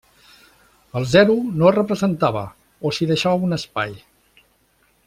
El zero no es representava o s'hi deixava un espai.